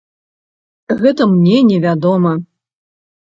Гэта мне не вядома.